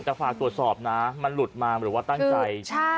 แต่ฝากตรวจสอบนะมันหลุดมาหรือว่าตั้งใจ